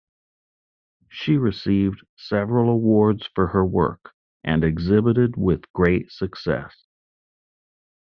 She received several awards for her work and exhibited with great success.